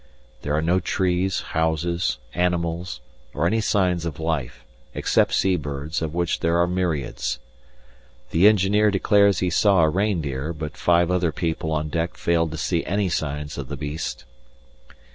There are no trees, houses, animals, or any signs of life, except sea birds, of which there are myriads. The Engineer declares he saw a reindeer, but five other people on deck failed to see any signs of the beast.